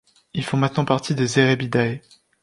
Ils font maintenant partie des Erebidae.